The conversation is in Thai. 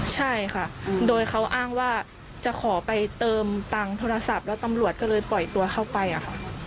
ใช่ค่ะโดยเขาอ้างว่าจะขอไปเติมตังค์โทรศัพท์แล้วตำรวจก็เลยปล่อยตัวเข้าไปอะค่ะ